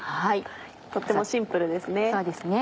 とってもシンプルですね。